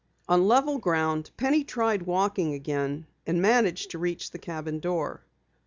On level ground, Penny tried walking again, and managed to reach the cabin door.